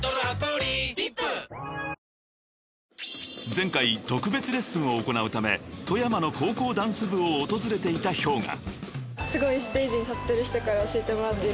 ［前回特別レッスンを行うため富山の高校ダンス部を訪れていたＨｙＯｇＡ］